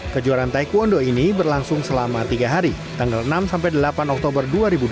kejuaraan taekwondo ini berlangsung selama tiga hari tanggal enam sampai delapan oktober dua ribu dua puluh